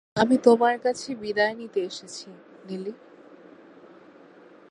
আমি তোমার কাছে বিদায় নিতে এসেছি, নেলি।